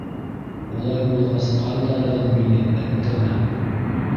Улай булғас, ҡайтарығыҙ мине әткәмә!